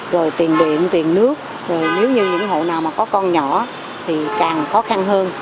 rồi tiền điện tiền nước nếu như những hộ nào mà có con nhỏ thì càng khó khăn hơn